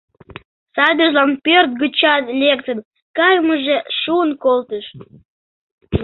Садыжлан пӧрт гычат лектын кайымыже шуын колтыш.